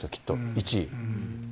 １位。